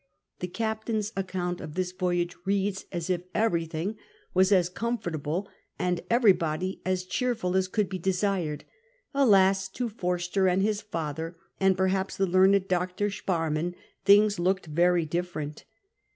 The captain's account of this voyage reads as if everything was as comfortable X02 CAPTAIN COOK OHAP. and everybody as cheerful as could be desired. Alas ! to Forster and his father, and perhaps the learned Dr. Sparrman, things looked veiy different.